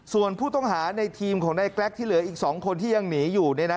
ส่วนผู้ต้องหาในทีมของนายแกรกที่เหลืออีก๒คนที่ยังหนีอยู่